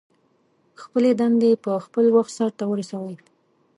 خپلې دندې په خپل وخت سرته ورسوئ.